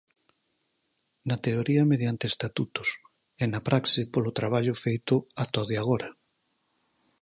Na teoría mediante estatutos e na praxe polo traballo feito ata o de agora.